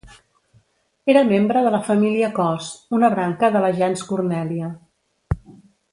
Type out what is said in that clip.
Era membre de la família Cos, una branca de la gens Cornèlia.